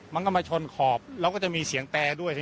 มันก็มาชนขอบแล้วก็จะมีเสียงแตรด้วย